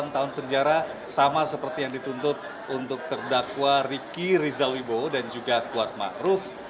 delapan tahun penjara sama seperti yang dituntut untuk terdakwa riki rizalwibo dan juga kuatma ruf